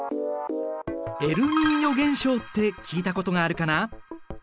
エルニーニョ現象って聞いたことがあるかな？